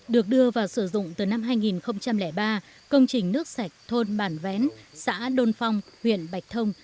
được đưa vào sử dụng từ năm hai nghìn ba công trình nước sạch thôn bản vén xã đôn phong huyện bạch thông